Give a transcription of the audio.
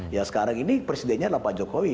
ya sekarang ini presidennya adalah pak jokowi